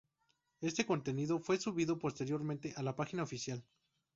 Este contenido fue subido posteriormente a la página oficial.